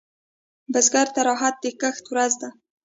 بزګر ته راحت د کښت ورځ ده